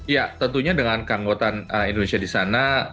ya tentunya dengan keanggotaan indonesia di sana